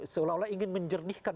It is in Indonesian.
seolah olah ingin menjernihkan